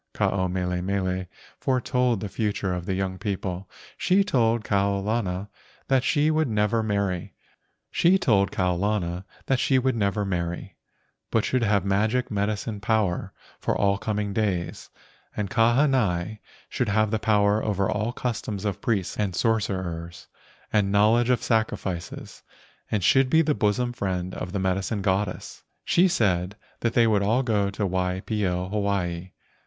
Ke ao mele mele foretold the future for the young people. She told Kau lana that she would never marry, but should have magic medicine power for all coming days, and Kahanai should have the power over all customs of priests and sorcerers and knowledge of sacrifices, and should be the bosom friend of the medicine goddess. She said that they would all go to Waipio, Hawaii.